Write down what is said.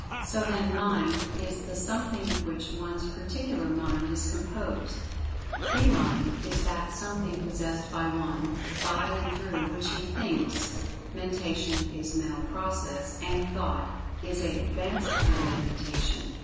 So, then, "Mind" is the something of which one's particular Mind is composed; "The Mind" is that something possessed by one, by and through which he "thinks"; "Mentation" is mental process; and "Thought" is a advanced kind of Mentation.